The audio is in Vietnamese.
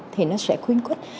thì nó sẽ khuyến khích